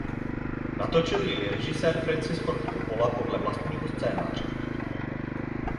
Natočil jej režisér Francis Ford Coppola podle vlastního scénáře.